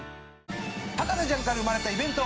『博士ちゃん』から生まれたイベント